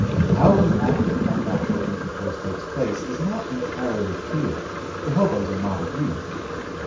How the act of unnatural intercourse takes place is not entirely clear; the hoboes are not agreed.